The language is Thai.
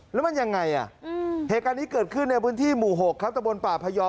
แล้วมันยังไงอ่ะเหตุการณ์นี้เกิดขึ้นในพื้นที่หมู่๖ครับตะบนป่าพยอม